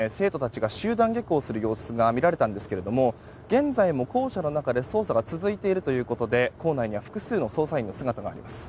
１時間ほど前に生徒たちが集団下校する様子が見られたんですが現在も校舎の中で捜査が続いているということで校内には複数の捜査員の姿があります。